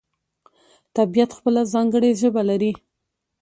طبیعت خپله ځانګړې ژبه لري.